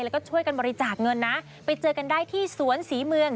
แล้วก็ช่วยกันบริจาคเงินนะไปเจอกันได้ที่สวนศรีเมือง